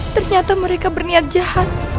ternyata mereka berniat jahat